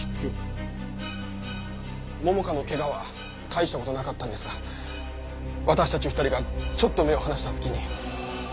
桃香の怪我は大した事なかったんですが私たち２人がちょっと目を離した隙に。